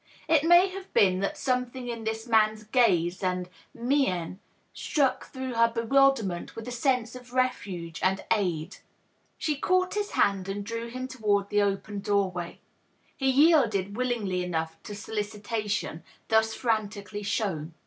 It may have been that something in this man's gaze and mien struck through her bewilderment with a sense of refuge and aid. She caught his hand and drew him toward the open door way. He yielded willingly enough to solicitation thus frantically shown.